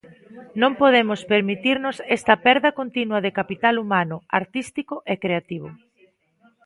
Non podemos permitirnos esta perda continua de capital humano, artístico e creativo.